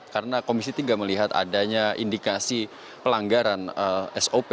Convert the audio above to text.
karena komisi tiga melihat adanya indikasi pelanggaran sop